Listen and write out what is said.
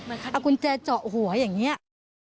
เอากุญแจเจาะหัวอย่างนี้